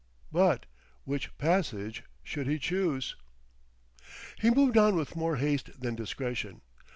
But which passage should he choose? He moved on with more haste than discretion.